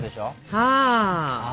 はあ！